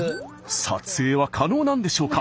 撮影は可能なんでしょうか？